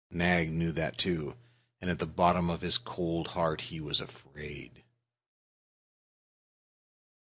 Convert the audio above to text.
Nag knew that too and, at the bottom of his cold heart, he was afraid.